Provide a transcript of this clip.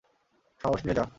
সাহস নিয়ে যা।